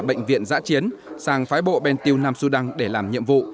bệnh viện giã chiến sàng phái bộ bên tiêu nam sudan để làm nhiệm vụ